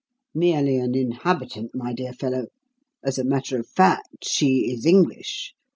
"Merely an inhabitant, my dear fellow. As a matter of fact, she is English.